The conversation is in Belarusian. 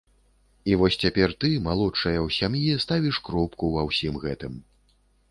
І вось цяпер ты, малодшая ў сям'і, ставіш кропку ва ўсім гэтым.